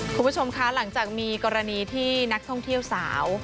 คุณผู้ชมคะหลังจากมีกรณีที่นักท่องเที่ยวสาว